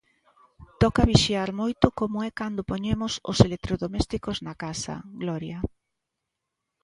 Toca vixiar moito como e cando poñemos os electrodomésticos na casa, Gloria.